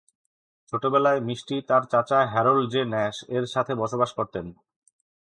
ছোটবেলায়, মিষ্টি তার চাচা হ্যারল্ড জে. ন্যাশ এর সাথে বসবাস করতেন।